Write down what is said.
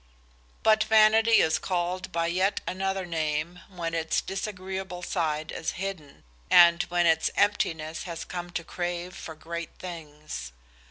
But vanity is called by yet another name when its disagreeable side is hidden, and when its emptiness has come to crave for great things.